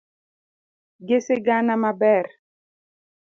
gi sigana maber